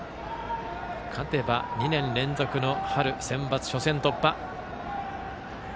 勝てば２年連続の春センバツ初戦突破。